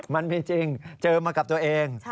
มันมีจริงเจอมากับตัวเอง